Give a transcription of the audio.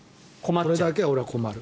これだけは俺は困る。